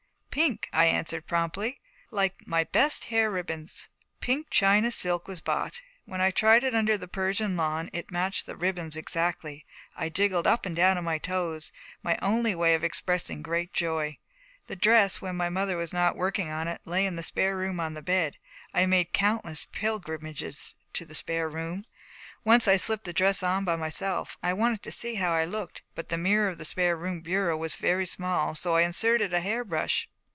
'Pink,' I answered promptly, 'like my best hair ribbons.' Pink china silk was bought. When I tried it under the Persian lawn it matched the ribbons exactly. I jiggled up and down on my toes my only way of expressing great joy. The dress, when my mother was not working on it, lay in the spare room on the bed. I made countless pilgrimages to the spare room. Once I slipped the dress on by myself. I wanted to see how I looked. But the mirror of the spare room bureau was very small; so I inserted a hair brush.